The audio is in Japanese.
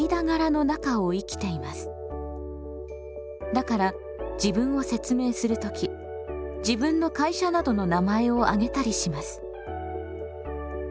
だから自分を説明する時自分の会社などの名前を挙げたりします。